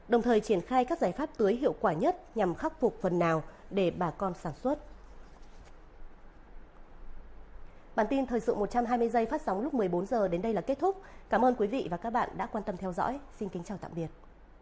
đồng thời triển khai các giải pháp tưới hiệu quả nhất nhằm khắc phục phần nào để bà con sản xuất